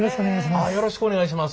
よろしくお願いします。